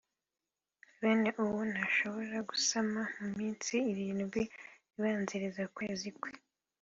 Bene uwo ntashobora gusama mu minsi irindwi ibanziriza ukwezi kwe